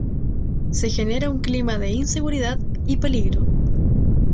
Se genera un clima de inseguridad y peligro.